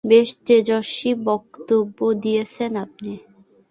বেশ তেজস্বী বক্তব্য দিয়েছেন আপনি!